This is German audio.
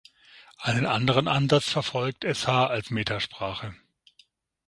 Einen anderen Ansatz verfolgt Sh als Metasprache.